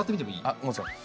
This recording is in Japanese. あもちろん。